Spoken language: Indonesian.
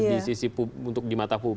di sisi untuk di mata publik